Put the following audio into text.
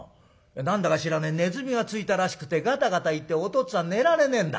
何だか知らねえねずみがついたらしくてがたがた言っておとっつぁん寝られねえんだ。